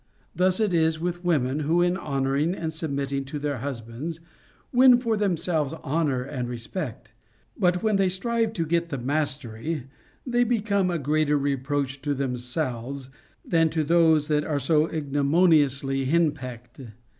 Thus it is with women, who in honoring and submitting to their husbands win for themselves honor and respect, but when they strive to get the mastery, they become a greater reproach to themselves than to those that are so ignomin iously henpecked.